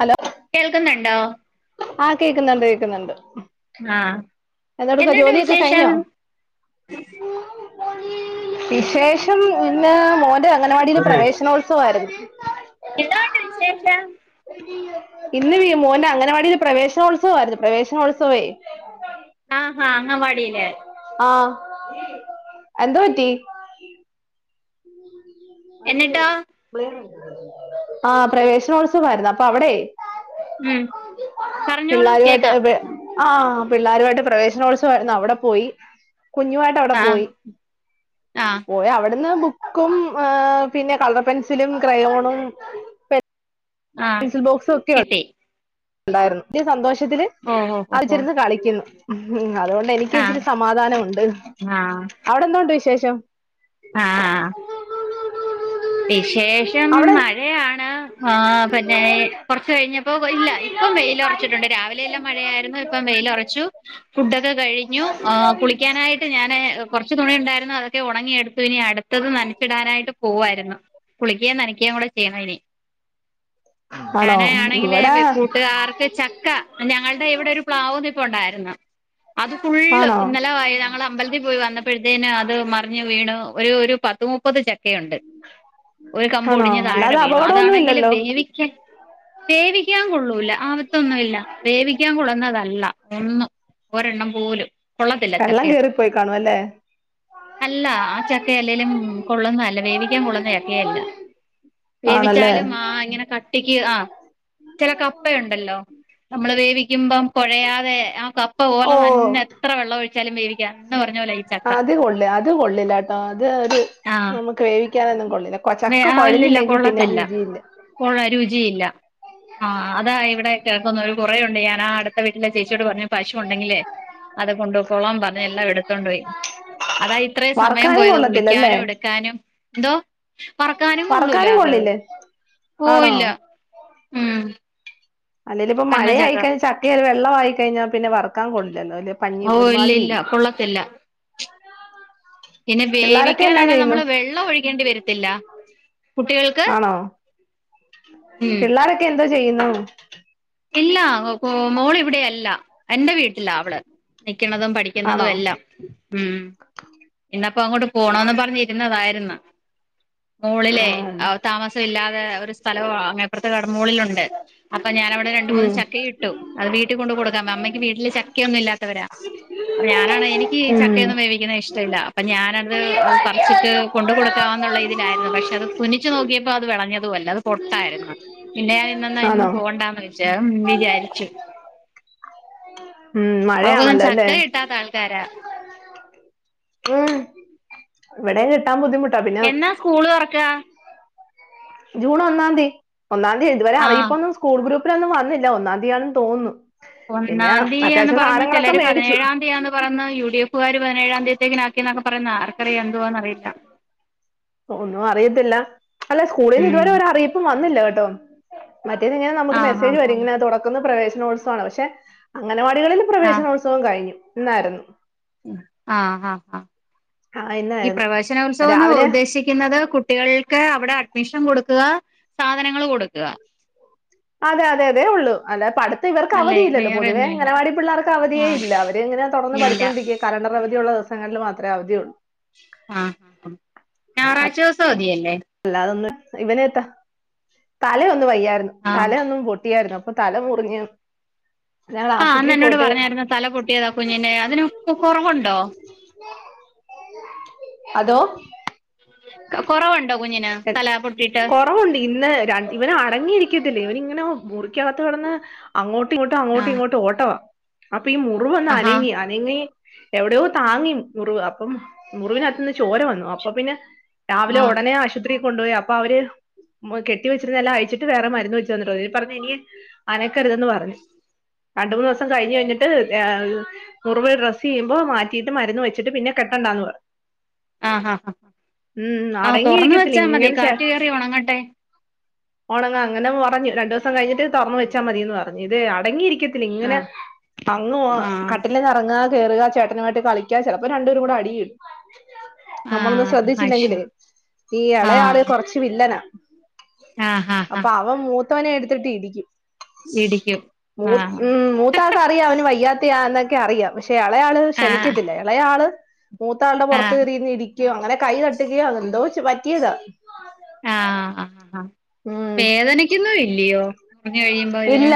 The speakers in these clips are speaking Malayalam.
ഹലോ കേൾക്കുന്നുണ്ടോ ആഹ് കേക്കുന്നുണ്ട് കേൾക്കുന്നുണ്ട് ആഹ എന്നിട്ട് വിശേഷം കഴിഞ്ഞോ വിശേഷം പിന്ന മോ ഇന്ന്. അംഗനവാടിൽ പ്രവേശനോത്സവമായിരുന്നു എന്തോ ഒണ്ടു വിശേഷം ഇന്ന് മോന്റെ അങ്ങനവാടി പ്രവേശനോത്സവമായിരുന്നു പ്രവേശനോത്സവേ ആ ആ എന്ത്‌ പറ്റി എന്നിട്ടോ [inaudible] ആ പ്രവേശനോത്സവമായിരുന്നു അപ്പൊ അവിടെ ഉം പറഞ്ഞോളൂ പിള്ളേരുവായിട്ട് എ കേക്കാം വേ ആ പിള്ളേരുമായിട്ട് പ്രവേശനോത്സവമായിരുന്നു അവിടെ പോയി കുഞ്ഞുമായിട്ട് അവിടെ ആഹ് പോയി ആഹ് പോയി അവിടുന്ന് ബു കും പിന്നെ കളർ പെൻസിലും ക്രയോണും ആഹ് പെൻസിൽ ബോക്സ് ഒക്കെയോ കിട്ടി ഉണ്ടായിരുന്നു വെല്യ സന്തോഷ്‌ ഓ ഓ ഓ ഓ അകത്തിരുന്നു കളിക്കുന്നു ഉ അതുകൊണ്ട് എനിക്ക് ആഹ് ഇച്ചിരി സമാധാനമു ണ്ട് ആഹ് അവിടെ എന്തോണ്ട് വിശേഷം ആഹ് വിശേഷം അവിടെ മഴയാണ് ആ ആ പിന്നെ കുറച്ച് കഴിഞ്ഞപ്പോ ഇല്ല ഇപ്പൊ വെയിൽ ഉറച്ചിട്ടുണ്ട് രാവിലെ എല്ലാം മഴയായിരുന്നു ഇപ്പം വെയിലൽുറച്ചു ഫുഡ് കഴിഞ്ഞു കുളിക്കാനായിട്ട് ഞൻ കുറച്ച് തുണിുണ്ടായിരുന്നു അതൊക്കെ ഉണങ്ങിടു തുനി അട് റ്റത് നനച്ചിടാനായിട്ട് പോവമായിരുന്നു കുളിക്യേം നനക്യേം കൂടെ ചെയ്യണം ഇനി ആണോ ന്നനാ ആണെങ്കില് ഇവിടെ കൂട്ടുകാർക്ക് ചക്ക ഞങ്ങളുടെ ഇവിടെ ഒരു പ്ലാവ് നിൽപ്പുണ്ടാരുന്നു അത് ഫുള്ള് ആണോ ഇന്നലെ വയി ഞങ്ങൾ അമ്പലത്തിൽ പോയി വന്നപ്പോഴത്തേന് അത് മറിഞ് വീണ് ഒരു ഒരു പത്ത് മുപ്പത് ച ഒക്കെയുണ്ട് ഒരു കമ്പ് ആണോ ഒടിഞ്ഞ് അല്ലാതെ താഴെ വീണു അപകടമൊന്നും അതാണെങ്കിൽ ഇല്ലല്ലോ വേവിക്ക വേവിക്കാൻ കൊള്ളൂല്ല ആപാത്തൊന്നുമില്ല വേവിക്കാൻ കൊള്ള്നാ നാതല്ല ഒന്നും ഒരെണ്ണം പോലും കൊള്ളത്തില്ല വെള്ളം ചക്കയൊന്നും കേറിപ്പോയി കാണും അല്ലേ അല്ല ആ ചക്ക അല്ലേലും കൊള്ളുന്ന അല്ല വേവിക്കാൻ കൊള്ള ല്ല ആണല്ലേ വേവിച്ചാലും ആ ഇങ്ങനെ കട്ടിക്ക് ആ ചില കപ്പയ ഉണ്ടല്ലോ നമ്മള് വേവിക്കുമ്പം പുഴയാതെ ആ കപ്പ ഓ പോലെ തന്നെ എത്ര വെള്ളം ഒഴിച്ചു ചലമേവുക അത് കൊള്ളില്ല അത് കൊള്ളില്ല ട്ടോ അത് ഒരു നമുക്ക് വേവ [unintelligible] കൊള്ളേ വേ ഒല്ലല്ല കൊള്ളത്തില്ല കൊള്ള രുചിയില്ല ആഹ അതാ ഇവിടെ കേൾക്കുന്ന കുറേയുണ്ട് ഞാൻ ആ അടുത്ത വീട്ടിലെ ചേച്ചിയോട് പറഞ്ഞു പശു ഉണ്ടെങ്കിലേ അത് കൊണ്ട്യ്കോ ളാൻ പറഞ്ഞഞ് എല്ലാം എടുത്തണ്ട് പോയി അതാ ഇത്രയും സമയം വറുക്കാനും പോയത് കൊള്ളത്തില്ലല്ലേ കുളിക്കാനും എടുക്കാനും എന്തോ പറക്കാനും കൊള്ളൂല വറക്കാനും അത് കൊള്ളില്ലേ ആണോ പോയില്ല ഉം അല്ലേല് ഇപ്പ മഴയായി കന്നച്ചക്ക കഴി ചക്കയെ ല് വെള്ളം ആയി കഴിഞ്ഞാ പിന്നെ വർക്കാൻ കൊള്ളില്ല അ പനി ഓ ഇല്ല ഒരുമാതിരി ഇല്ല ഇരിക്കും കൊള്ളത്തില്ല പിന്നെ പിള്ളോരൊക്കെ എന്നാ വേവിക്കാനാണെങ്കിൽ ചെയ്യുന്നു നമ്മള് വെള്ളം ഒഴിക്കേണ്ടി വരത്തില്ല കുട്ടികൾക്ക് ആണോ ഉം പിള്ളാരൊക്കെ എന്തോ ചെയ്യുന്നു ഇല്ല മോൾ ഇവിടെയല്ല എന്റെ വീട്ടിലാ അവള് ക്കുന്നതും പഠിക്കുന്നതും ആണോ എല്ലാം ഇപ്പങ്ങോട്ട് പോണോന്ന് പറഞ്ഞിരുന്നതായിരുന്നു മോളിലെ ഉം താമസം ഇല്ലാതെ ഒരു സ്ഥലവാ അപ്പർത്തെ കടമോളിലുണ്ട് അപ്പോ ഞാനവിട് രണ്ട് മൂന്ന് ഉം ചക്കയീട്ടു അത് വീട്ടികൊൺ കൊണ്ട് കൊടുക്കാൻ അമ്മയ്ക്ക് വീട്ടില് ചക്കയൊന്നും ഇല്ലാത്തവരാ അപ്പൊ ഞാനാണ് എനിക്ക് ഉം ചക്കയൊന്നും വേവിക്കുന്ന ഇഷ്ടയില്ല അപ്പൊ ഞാനത്ത് പറിച്ചിട്ട് കൊണ്ട് കൊടുക്കാന്നുള്ള ഇതിലായിരുന്നു പക്ഷെ അത് തുനിച്ച് നോക്കിയപ്പോ അത് വെളഞ്ഞതുഅല്ല അത് പൊട്ടായിരുന്നു പിന്നെ ഞാൻ ആണോ ഇന്നൊന്നുഐന് പോകണ്ടാന്ന് വിചാരിച്ചു ഉം അവർക്കൊന്നും മഴയാണല്ലോ അല്ലേ ചക്ക കിട്ടാത്ത ആൾക്കാരാ ഊം ഇവടേം കിട്ടാൻ ബുദ്ധിമു എന്നാ സ്കൂള് തോറക്കാ ജൂൺ ഒന്നാന്തി ഒന്നാന്തിതുവരെ ആഹ് അറീപ്പൊന്നും സ്കൂൾ പ്പൊന്നും വന്നില്ല ഒന്നാന്തി ആണെന്ന്തോന്നുന്നു ഒന്നാന്തിയാന്ന് പറയ്ന്ന് ചിലര് മേടിച്ചു പതിനേഴാം തീതിയാന്ന് പറുയ്ന്ന് യു ഡി എഫുകാര് പതിനേഴാം തീയതിത്തേക്ക്‌ എന്നൊക്കെ പറയുന്നു ആർക്കറിയാം എന്തുവാന്നറിയില്ല ഒന്നും അറിയത്തില്ല അല്ല ഉം സ്കൂളീന്നിതുവരെ ഒരു അറീപ്പും വന്നില്ല [unintelligible] മറ്റേത്ങ്ങനെ നമക്ക്‌ ആഹ് മെസജ് ആഹ് വരും തുറക്കുന്ന് പറഞ് നോട്സ് ആണ് പഷേ അംഗനവാടികളിൽ ആഹ് പ്രവേശനോത്സവം കഴിഞ്ഞു ഇന്നായിരുന്നു ആഹ് ആഹ് ആഹ് ആഹ് ഈ ഇന്നായിരുന്നു പ്രവേശനോത്സവോന്ന് രാവിലെ ഉദ്ദേശിക്കുന്നത് കുട്ടികൾടെ അവിടെ അഡ്മിഷൻ കൊടുക്കുക. സാധനങ്ങൾ കൊടുക്കുക.. അതെ അതെ അതെ ഉള്ളു അല്ലാതെ പഠ ഇവർക്ക്‌ അല്ലേ അവധിയില്ലല്ലോ വേറെ പൊതുവെ ഒന്നുമില്ല അങ്ങനവാടി പിള്ളേർക്ക് അവധിയെ ആഹ് ഇല്ല അവരിങ്ങനെ തൊടർന്ന് ഇല്ല പഠിച്ചുകൊണ്ടരിക്കും കലണ്ടർ അവധിയുള്ള ങ്ങളിൽ മാത്രേ അവധി ഉള്ളൂ ആഹ് ഞായറാഴ്ച ദിവസം അ വധിയല്ലേ അത് ആന്ന് ഇവനേത വയ്യായിരുന്നു ആഹ് തലേയൊന്നു പൊട്ടി ട്ടായാരുന്നു അപ്പൊ തല മുറിഞ്ഞു ആഹ് അന്ന് എന്നോട് പറഞ്ഞായിരുന്ന തല പൊട്ടിയതാ കുഞ്ഞിന്റെ അതിന് കൊറവു ണ്ടോ അതോ കൊറവുണ്ടോ കൊറവുണ്ട് ഇന്ന് ര ഇവന അടങ്ങിയിരിക്ക തില്ല ഇവനിങ്ങനെ മുറിക്കകത്ത് കടന്ന് അങ്ങോട്ട് ട്ട ഇങ്ങട്ട് അങ്ങോട്ട് ആഹ് ഇങ്ങോട്ട് ഓട്ടവാ അപ്പ ഈ മുറി വന്ന് ആഹാ അനങ്ങി അനങ്ങി എവിടെയോ താങ്ങി മുറിവ് അപ്പം മുറിവിനകത്തു നിന്ന് ചോര വന്നു അപ്പൊ പിന്നെ രാവിലെ ആഹ് ഉടനെ ആശ ആശുപത്രി കൊണ്ടുപോയി അപ്പൊ അവര് കെട്ടി വച്ചിരുന്നെല്ലാം അയ്ച്ചിട്ട് വേറെ മരുന്ന് വെച്ച് തന്നിട്ട് പറഞ്ഞഞ് ഇനി അനക്കരുതെന്ന് പറഞ്ഞു രണ്ട് മൂന്ന് ദിവസം കഴിഞ്ഞ് കഴിഞ്ഞിട്ട് ർ മുറിവ് ഡ്രസ്സ് ചെയ്യുമ്പോ മാറ്റിയിട്ട് മരുന്ന് വെച്ചിട്ട് പിന്നെ കെട്ടണ്ടാന്ന് പറ ആഹ ആ ആ തുറന്ന് വെ അടങ്ങിയിരിക്കത്തില്ല ച്ചചാ മതി കാറ്റുകേറി ഒണങ്ങട്ടെ ഓണങ്ങ അങ്ങനെ പറഞ്ഞു രണ്ടു ദിവസം കഴിഞ്ഞിട്ട് തുറന്നു വെച്ചാ മതിന്ന് പറഞ്ഞു ഇത് അടങ്ങിയിരിക്ക ത്തില്ല ഇങ്ങനെ ആഹ് അങ്ങുവ ആഹ് കട്ടിലേന്ന് ഇറങ്ങാ കേറുക ചേട്ടനുമായിട്ട് കളിക്ക ചിലപ്പോ രണ്ടേരുംകൂടെ അടിയിടും നമ്മളൊന്നും ആഹ് അത് ശ്രദ്ധിച്ചില്ലെങ്കിലേ ശരി ഈ ഇളയാള് ആഹ് കൊറച്ച് വില്ലന ആഹ് ആഹ് അപ്പൊ ആഹ് അവ മൂത്ത് ത്തവനെ എടുത്തിട്ട് ഇടിക്കും ഇടിക്കും മൂ ആഹ് ഉം മൂത്ത ആക്ക അറിയാം അവന് വയ്യാത്തയാ എന്നൊ അറിയാം പക്ഷ പക്ഷെ ഇളയാള് ആഹ് ക്ഷമിക്കത്തില്ല ഇളയാള് മൂത്താളുടെ പുറത്ത് ആഹ് കറിരുന്ന് ഇടി ക്യ അങ്ങനെ കൈ കട്ടുകയോ അ എന്തോ റ്റിയത ആഹ ആ ആഹ് വേദനക്കൊന്നും ഇല്ലയോ മുറഞ്ഞഞ് കഴിയുമ്പോ ഇതിന് ഇല്ല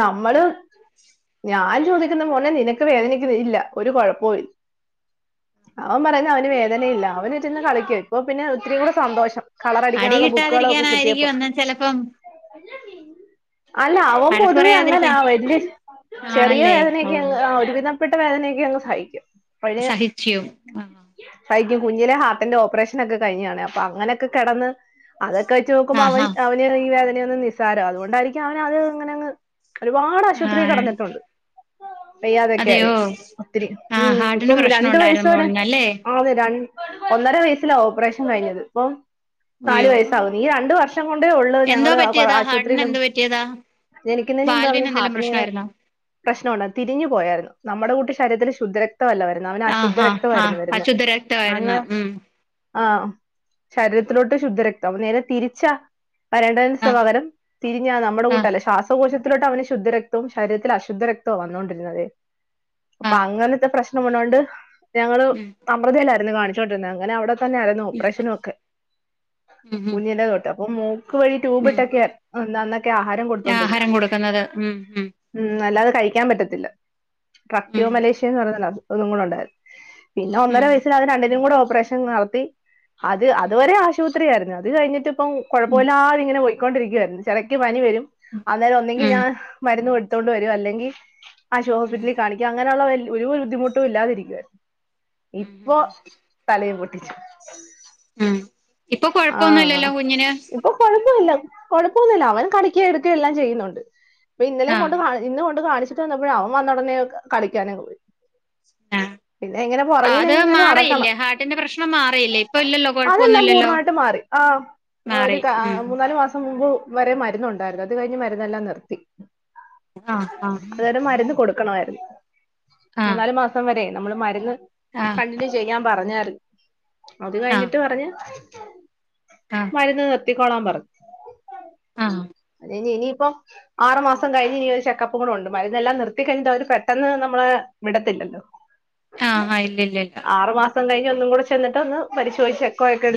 നമ്മള് ഞാൻ ചോദിക്കുന്ന മോനെ നിനക്ക് വേദനക്കുന്ന ഇല്ല ഒരു കുഴപ്പവുംമില്ല അവൻ പറയുന്നെ അവന് വേദനയില്ല അവനറ്റിന്ന് കളിക്കും ഇപ്പൊ പിന്നെ ഒത്തിരി കൂടെ സന്തോഷം അടി കളറടിക്കാനുള്ള ബുക്കുകളും ഒക്കെ കിട്ടിയപ്പോ കിട്ടാതിരിക്കാനായിരിക്കും അന്നാ ചിലപ്പം അല്ല അവൻ പൊതുവേ അങ്ങനെ പറയാതിരിക്കാൻ ആവല്ല്യ ചെറിയ ആണല്ലേ ഓ വേദനയൊക്കെ ഒരു പ്രപ്പെട്ട വേനൊക്ക ൾ സഹിക്കും സഹിക്കും ആഹ് പഴയ കുഞ്ഞിലെ ഹാർട്ടിന്റെ ഓപ്പറേഷൻ ഒക്കെ കഴിഞ്ഞാണ് അപ്പൊ അങ്ങനെയക്കെ കിടന്ന് അതൊക്കെ വെച്ച് നോക്കുമ്പോൾ ആഹ് അവൻ അവന് ഈ വേദന നിസ്സാരം അതുകൊണ്ടായിരിക്കും അവൻത്ങ്ങനങ്ങ് ഒരുപാട് അശുവദ് ആഹ് ത്രീ ആഹ് കടന്നിട്ടുണ്ട് വെയ്യാതൊക്കെ ആയി അതെയോ ഒത്തിരി ഉ ആഹ് ഹാർട്ടിന് ഇപ്പം പ്രശ്നം രണ്ട വയസ്സ ഉണ്ടായിരുന്നു വരെ മോളിനല്ലേ ആതെ ര ഒന്നര വയസ്സിലാ ഓപ്പറേഷൻ കഴിഞ്ഞത് ഇപ്പൊ നാല് അയ്യോ വയസ്സാവുന്നു ഈ രണ്ട വർഷം ഷം കൊണ്ടേ ഉള്ളൂ എന്തോ ഞങ്ങള് പറ്റിയതാ ഹാർട്ടിന് ആശുപത്രിയിലും എന്തോ പറ്റിയതാ എനിക്ക ഇുന്നതിന് മുമ്പ് അവന് വാൽവിന് എന്തെലും ഹാട്ടിനിങ്ങനെ പ്രശ്നമായിരുന്നോ പ്രശ്നമുണ്ട തിരിഞ്ഞു പോയരുന്നു നമ്മുടെ കൂട്ട ഇക്കാര്യത്തില് ശുദ്ധ രക്ത ആഹ് ഹാ ഹാ അശുദ്ധരക്തമായിരുന്നു അങ്ങനെ ഉം ആ ശരീരത്തിലോട്ട് ശുദ്ധരക്തം നേരെ തിരിച്ചാ പ രണ്ട് ദിവസം ആഹ് പകരം തിരിഞ്ഞാ നമ്മുടെ ആഹ് കൂട്ടല്ല ശ്വാസകോശ പ് ലിട്ടാവനു ശുദ്ധരക്തം വും ശരീരത്തിൽ അശുദ്ധരക്തവാ വന്നുകൊണ്ടിരുന്നത് അപ്പൊ ആഹ് അങ്ങനത്തെ പ്രശ്ന നമ്മള് പണ്ട് ഞങ്ങള് ഉം സമൃതെല ന്ന് കാണിച്ചോണ്ട്ര്ന്നെ അങ്ങനെ അവിടെ തന്നാര്ന്നു പ്പറേഷനൊക്കെ ഉം ഉം കുഞ്ഞില് തൊട്ട് അപ്പൊ മൂക്ക് വഴി ഉം ഉം ട്യൂബ്ട്ടൊക്കെ നന്നൊക്കെ ആഹാരം കൊടുത്തോണ്ടിര്ന്നെ ആഹാരം കൊടുക്കുന്നത് ഉം ഉം അല്ലാതെ കഴിക്കാൻ പറ്റത്തില്ല തക്ക്യോ ഉം മലേഷ്യൻ ന്ന് പറയുന്നതാ ഒന്നുങ്ങുണണ്ടായ പിന്നെ ഒന്നര ഉം വയസ്സിലത് രണ്ടിന്നും കൂടെ ഒ പെഷൻ നളത്തി അത് ഉം അതുവരെ ആശുപത്രി ആയിരുന്നു ത് കഴിഞ്ട്ട് പ്പം ഉം കൊഴപ്പുല്ലാതിങ്ങനെ പോയ്‌ കൊണ്ടിരിക്യായിരുന്നു ചെലക്ക് പനി വരും അന്നേരം ഒന്നെങ്കി ഉം ഞാൻ മര്ന്ന് എട്ത്തോണ്ട് വരും അല്ലെങ്കി ആശ ഉം ഉം ഹോസ്പിറ്റലിൽ കാണിക്ക അങ്ങനുള്ള വൽ ഒരു ബുദ്ധിമുട്ടും ഇല്ലാതിരികായിരുന്നു ഇപ്പൊ തലയ് പൊട്ട [unintelligible] ഇമ് ഇപ്പൊ കൊഴപ്പൊന്നുല്ലല്ലോ കുഞ്ഞിന് കൊഴപ്പൊന്നുല്ല അവൻ കളിക്കേം എടുക്കേം എല്ലാം ചെയ്യുന്നുണ്ട് ഇന്നലെ ആഹ് കൊണ്ട് കാണി ഇന്ന് കൊണ്ട് കാണിച്ച് ചെന്നപ്പോഴ അവൻ വന്ന ഉടനെ കളിക്കാനാങ്ങ്പോയി ആ ആ അത് ഇങ്ങനെ നടക്കണം. മാറിയില്ലേ ഹാർട്ടിന്റെ പ്രശ്നം മാറിയില്ലേ ഇപ്പം ഇല്ലല്ലോ കൊഴപ്പൊന്നുല്ലല്ലോ ർനായിട്ട് മാറി ആഹ് ഒരു മാറി കാ ഉം മൂന്നാല് മാസം മുമ്പ്- വരെ മരുന്നുണ്ടായിരുന്നു അത് കഴിഞ്ഞ് മരുന്നെല്ലാം നിർത്തി ആഹ് ആഹ് അത്വരെ മരുന്ന് കൊടുക്കണവായിരുന്നു ആഹ് മൂന്നാല് മാസം വരെ നമ്മള് മരുന്ന് ആഹ് കണ്ടിന്യൂ ചെയാം പറഞ്ഞാര്ന്ന് അത് ആഹ് കഴിഞ്ഞിട്ട് പറഞ് ഉ ആഹ് മരുന്ന് നിർ ത്തി കോളാൻ പറഞ് ആഹ് ഇനി ഇനിയിപ്പം ആറു മാസം കഴിഞ്ഞ് ഇനി ഒരു ചെക്കപ്പും കൂടെ ഒണ്ട് മരുന്നെല്ലാം നിർത്തി കഴിഞ്ഞിട്ട് അവര് പെട്ടെന്ന് നമ്മള വിടത്തില്ലല്ലോ ആഹ് ആഹ ഇല്ലില്ല ഇല്ല ന്നും കൂടെ ചെന്നിട്ടൊന്ന് പരിശോധിച്ച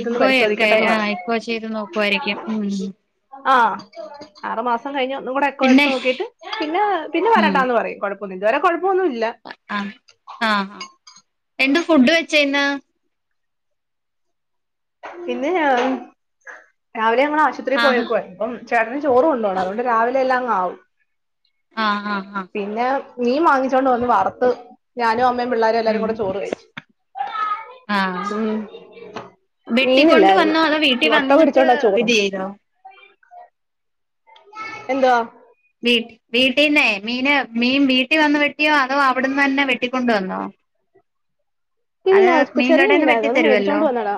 ഇക്കോയൊക്കെ ആ ഇക്കൊ ചെയ്ത് നോക്കുവായിരിക്കും ഹും ങാ ആറ് മാസം കഴിഞ്ഞു ഒന്നുംകൂടെ പിന്നെ എക്കോഎടുത്ത് നോക്കീട്ട് പിന്നെ പിന്നെ വരണ്ടാന്ന് പറയും കൊഴപ്പ ഇത് വരേ കൊഴപ്പോന്നൂല്ല ങാ ങാ ങാ എന്ത് ഫുഡ് വെച്ചേന്ന് ഇന്ന് ഞാൻ രാവിലെ ണം ആശുത്രീ ആഹ് പോയേക്കുവാരുന്നു ചേട്ടന് ചോറുകൊണ്ട് പോണം. അതുകൊണ്ട്‌ രാവിലെല്ലാം ആവും ങാ ങാ ങാ പിന്നെ മീൻ വാങ്ങിച്ചോണ്ട് വന്ന് വറുത്ത് ഞാനും അമ്മയുംപിള്ളേരെല്ലാരും ഉം കൂടെ ചോറ് കഴിച്ചു. ആഹ് ഉം വെട്ടിക്കൊണ്ട് മീനില്ലായിരുന്നു വന്നോ? അതോ വീട്ടിൽ മുട്ട വന്നിട്ട് പൊരിച്ചോണ്ടാ ചോറും വെട്ടിയേതോ? എന്തുവാ? വീ വീട്ടീന്നേ മീന് മീൻ വീട്ടി വന്ന് വെട്ടിയോ അ അതോ അവിടുന്ന് തന്നെ വെട്ടിക്കൊണ്ടുവന്നോ? ഇല്ല ചെറിയ മീൻകടേന്ന് മീനായിരുന്നു. അത് വെട്ടിത്തരുവല്ലോ മേടിച്ചൊണ്ട് വന്നടാ.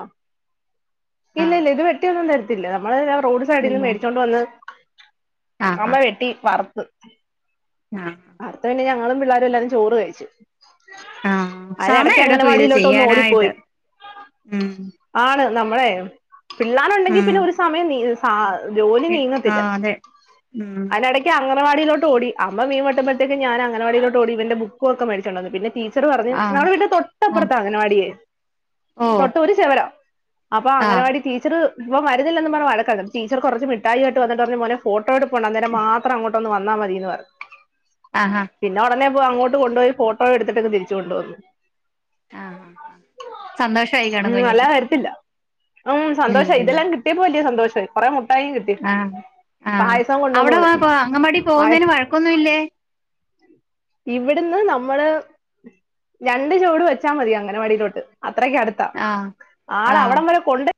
ഇല്ല ആഹ് ഇല്ല ഇത് വെട്ടി ഒന്നും തര ത്തില്ല നമ്മള് റോഡ് സൈഡിൽ നിന്ന് ഇല്ല മേടിച്ചോണ്ട് വന്ന് ആഹ് അമ്മ ആഹ് വെട്ടി വറ് ആഹ് അടുത്തതങ്ങനെയാ ഞങ്ങളും പിള്ളാരും എല്ലാരും ചോറ് കഴിച്ചു. ആഹ് സമയം അതിനിടക്ക് എടുക്കും ഇത് അഗനവാടിയിലോട്ട് ഒന്ന് ചെയ്യാനായിട്ട് ഓടിപ്പോയി ഉം ആണ്. നമ്മളേ പിള്ളാരുണ്ടെങ്കിൽ ഉം പിന്നെ ഒരു സമയം നീ ആഹ് ജോലി നീങ്ങത്തില്ല ആഹ് അതെ ഉം അതിനിടക്ക് അങ്ങോ വാടിയിലോട്ട്ഓടി അമ്മ മീൻ വെട്ട് പ്പോഴത്തേക്ക് ഞാൻ അംഗനവാടിയിലോട്ട് ഓടി. ഇവന്റെ ബുക്കും ഒക്കെ മേടിച്ചോണ്ടു വന്ന് പിന്നെ ടീ ടീച്ചർ പറഞ്ഞു ആഹ് ഞങ്ങടെവീടിന്റെ ആഹ് തൊട്ടപ്പുറത്താ അഗനവാടിയേ ഓ തൊട്ട് ഒരു ചെവര അപ്പൊ ആഹ് അഗനവാടി ടീച്ചറ് ഇപ്പ വരുന്നില്ലെന്ന് പറഞ്ഞ് വഴക്കായിരുന്നു. ടീച്ചർ കുറച്ച് മിട്ടായിട്ട് വന്നിട്ട്പറഞ്ഞു മോനേ ഫോ ട്ടോ എടുപ്പുണ്ട് അന്നേരം മാത്രം അങ്ങോട്ടൊന്ന് വന്ന ന്നാ മതിന്ന് പറ ആഹ് ആഹ് പിന്നെ ഉടനെ അപ്പ അങ്ങോട്ട് കൊണ്ടുപോയി ഫോട്ടോ എടുത്തിട്ട് തിരിച്ച് കൊണ്ടുവന്നു ആഹ് സന്തോഷമായി കാണും ഉം അല്ല കുഞ്ഞിന് വരത്തില്ല ഉം സന്തോഷം ഉം ഇതെല്ലാം കിട്ടിയപ്പോല്ലേ സന്തോഷം ത് പറയ ആഹ് ആഹ് കൊണ്ടുവന്ന് അവിടെ കൊടുത്തു അങ്ങവാടി പായ പോകുന്നതിന് വഴക്കൊന്നുമില്ലേ ഇവിടുന്ന് നമ്മള് രണ്ട് ചുവട് വെച്ചാ മതി അംഗനവാടിയിലോട്ട് അത്രക്ക് അടുത്താ ആഹ് ആഹ് ആളവടം വരെ കൊണ്ട്